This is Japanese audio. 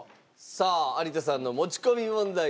さあ有田さんの持ち込み問題です。